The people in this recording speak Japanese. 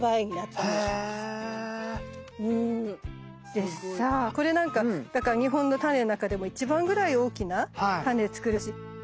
でさあこれなんか日本のタネの中でも一番ぐらい大きなタネ作るし。